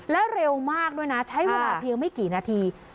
แล้วเร็วมากด้วยนะใช้เวลาเพียงไม่กี่นาที